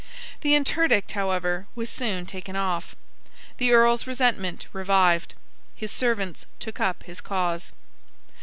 The interdict, however, was soon taken off. The Earl's resentment revived. His servants took up his cause.